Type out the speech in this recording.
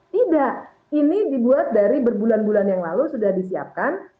tidak ini dibuat dari berbulan bulan yang lalu sudah disiapkan